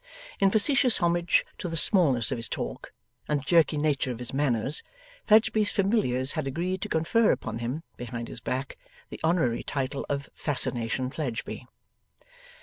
In facetious homage to the smallness of his talk, and the jerky nature of his manners, Fledgeby's familiars had agreed to confer upon him (behind his back) the honorary title of Fascination Fledgeby.